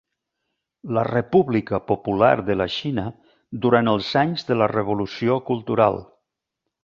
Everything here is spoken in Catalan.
La República Popular de la Xina durant els anys de la Revolució Cultural.